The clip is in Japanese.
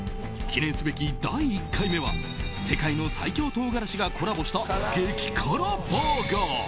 記念すべき第１回目は世界の最強唐辛子がコラボした激辛バーガー。